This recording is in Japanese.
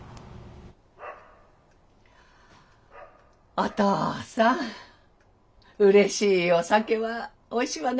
お父さんうれしいお酒はおいしいわね。